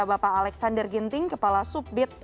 bapak alexander ginting kepala sub bid